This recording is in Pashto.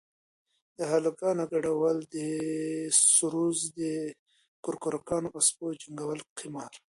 د هلکانو گډول سروذ د کرکانو او سپيو جنگول قمار.